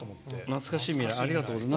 「なつかしい未来」ありがとうございます。